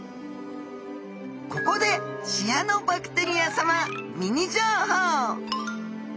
ここでシアノバクテリアさまミニ情報！